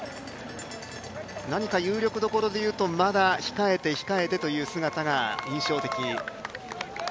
何か有力どころでいうとまだ控えてという姿が印象的。